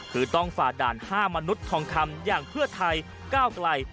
คือต้องฝ่าด่าน๕มนุษย์ทองคำอย่างเพื่อไทยก้าวไกล